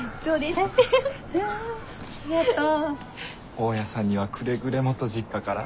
大家さんにはくれぐれもと実家から。